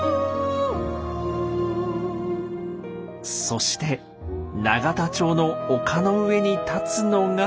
そして永田町の丘の上に建つのが。